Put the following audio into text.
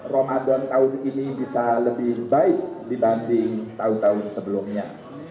ramadan tahun ini bisa lebih baik dibanding tahun tahun sebelumnya